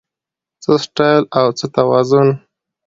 څه سټایل او څه توازن